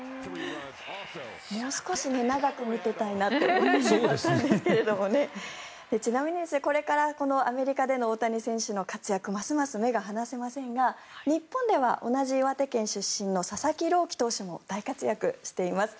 もう少し長く見ていたいなって思うんですけれどもちなみにこれからこのアメリカでの大谷選手の活躍ますます目が離せませんが日本では同じ岩手県出身の佐々木朗希投手も大活躍しています。